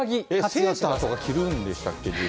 セーターとか着るんでしたっけ？